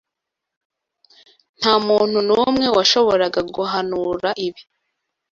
Ntamuntu numwe washoboraga guhanura ibi.